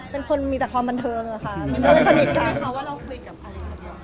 เป็นคนมีแต่ความบันเทิงอะค่ะเป็นคนสนิทกับพี่บอย